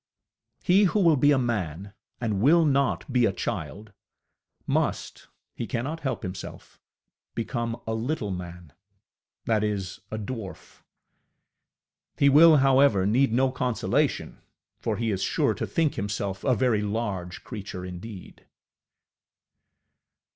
He who will be a man, and will not be a child, must he cannot help himself become a little man, that is, a dwarf. He will, however, need no consolation, for he is sure to think himself a very large creature indeed.